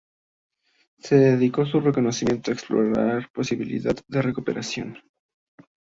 Se decidió su reconocimiento y explorar posibilidad de recuperación.